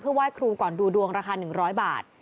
ไหว้ครูก่อนดูดวงราคา๑๐๐บาท